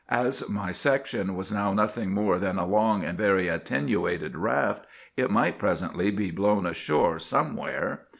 As my section was now nothing more than a long and very attenuated raft, it might presently be blown ashore somewhere.